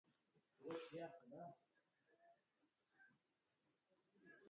د افغان کلیمه د افغانستان پر هر فرد باندي اطلاقیږي.